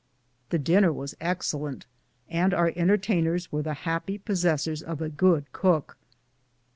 The dinner was excellent, and our entertainers were the happy possessors of a good cook.